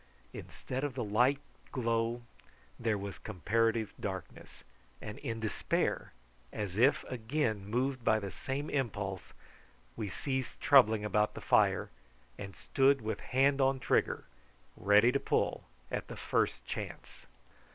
Instead of the light glow there was comparative darkness, and in despair, as if again moved by the same impulse, we ceased troubling about the fire, and stood with hand on trigger, ready to pull at the first chance.